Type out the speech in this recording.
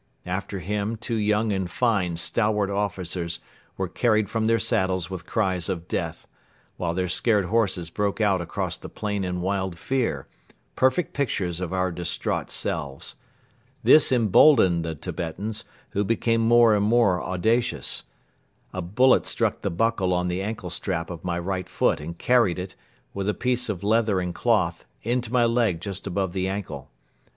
After him two young and fine stalwart officers were carried from their saddles with cries of death, while their scared horses broke out across the plain in wild fear, perfect pictures of our distraught selves. This emboldened the Tibetans, who became more and more audacious. A bullet struck the buckle on the ankle strap of my right foot and carried it, with a piece of leather and cloth, into my leg just above the ankle.